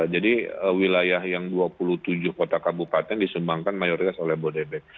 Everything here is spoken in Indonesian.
jadi wilayah yang dua puluh tujuh kota kabupaten disumbangkan mayoritas oleh bodebek